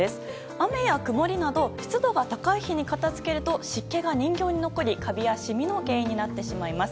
雨や曇りなど湿度が高い日に片付けると湿気が人形に残りカビやシミの原因になってしまいます。